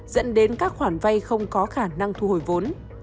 dẫn đến các khoản vay không có khả năng thu hồi vốn